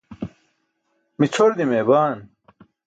mi cʰor dimee baan